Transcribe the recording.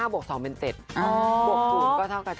บวก๐ก็เท่ากับ๗